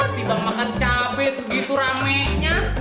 sibang makan cabai segitu ramainya